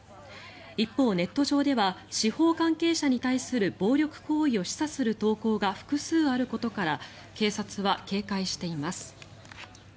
一方、ネット上では司法関係者に対する暴力行為を示唆する投稿が複数あることから警察は警戒しています。